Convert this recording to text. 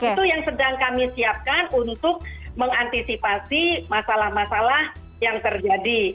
itu yang sedang kami siapkan untuk mengantisipasi masalah masalah yang terjadi